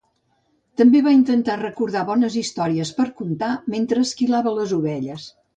També va intentar recordar bones històries per contar mentre esquilava les ovelles.